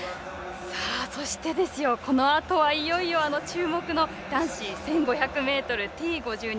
そして、このあとはいよいよ注目の男子１５００ｍＴ５２